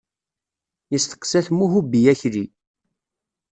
Yesteqsa-t Muhubi Akli.